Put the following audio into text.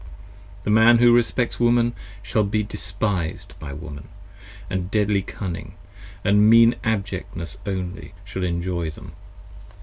The Man who respects Woman shall be despised by Woman: And deadly cunning, & mean abjectness only, shall enjoy them.